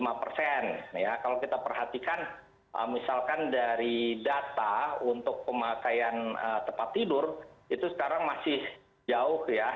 kalau kita perhatikan misalkan dari data untuk pemakaian tempat tidur itu sekarang masih jauh ya